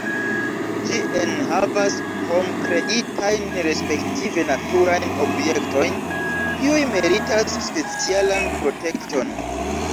Ĝi enhavas hom-kreitajn respektive naturajn objektojn, kiuj meritas specialan protekton.